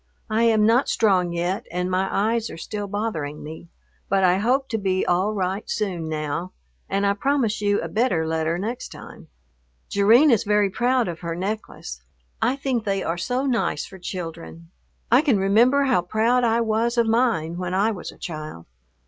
I am not strong yet, and my eyes are still bothering me, but I hope to be all right soon now, and I promise you a better letter next time. Jerrine is very proud of her necklace. I think they are so nice for children. I can remember how proud I was of mine when I was a child.